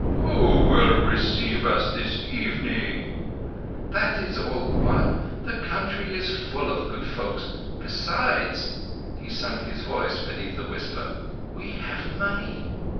"Who will receive us this evening?" "That is all one. This country is full of good folk. Besides" he sunk his voice beneath a whisper—"we have money."